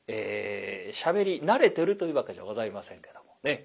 しゃべり慣れてるというわけじゃございませんけどもね